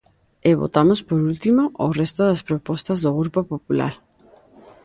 E votamos, por último, o resto das propostas do Grupo Popular.